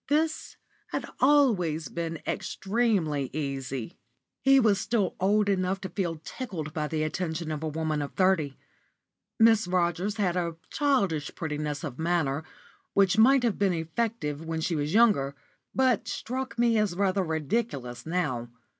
This had always been extremely easy. He was still old enough to feel tickled by the attention of a woman of thirty. Miss Rogers had a childish prettiness of manner, which might have been effective when she was younger, but struck me as rather ridiculous now.